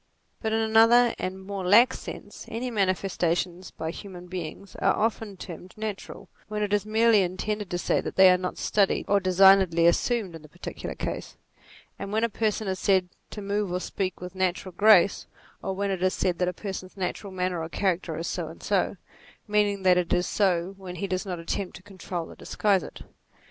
But in another and a more lax sense, any manifesta tions by human beings are often termed natural, when it is merely intended to say that they are not studied or designedly assumed in the particular case ; as when a person is said to move or speak with natural grace ; 60 NATURE or when it is said that a person's natural manner or character is so and so ; meaning that it is so when he does not attempt to control or disguise it.